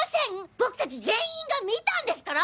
僕達全員が見たんですから！